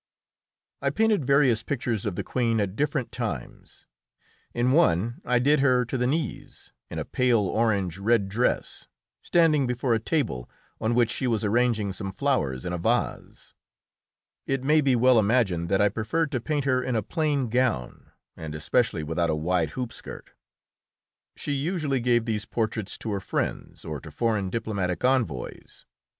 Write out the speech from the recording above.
I painted various pictures of the Queen at different times. In one I did her to the knees, in a pale orange red dress, standing before a table on which she was arranging some flowers in a vase. It may be well imagined that I preferred to paint her in a plain gown and especially without a wide hoopskirt. She usually gave these portraits to her friends or to foreign diplomatic envoys.